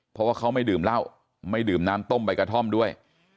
เพราะว่าเขาไม่ดื่มเหล้าไม่ดื่มน้ำต้มใบกระท่อมด้วย